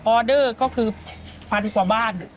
ออเดอร์ก็คือพาดีกว่าบ้าน